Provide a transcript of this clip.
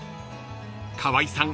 ［川合さん